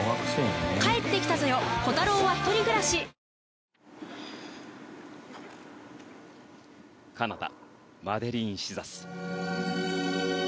ニトリカナダマデリーン・シザス。